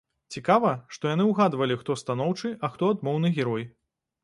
Цікава, што яны ўгадвалі хто станоўчы, а хто адмоўны герой.